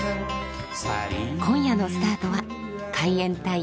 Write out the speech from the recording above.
今夜のスタートは海援隊